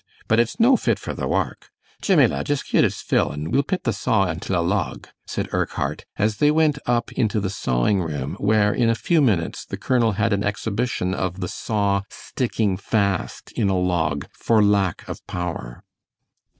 But it's no fit for the wark. Jemmie, lad, just gie't its fill an' we'll pit the saw until a log," said Urquhart, as they went up into the sawing room where, in a few minutes, the colonel had an exhibition of the saw sticking fast in a log for lack of power.